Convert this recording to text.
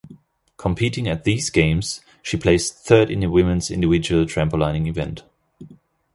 Competing at these games, she placed third in the women's individual trampolining event.